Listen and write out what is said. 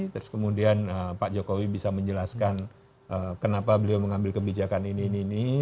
terus kemudian pak jokowi bisa menjelaskan kenapa beliau mengambil kebijakan ini ini ini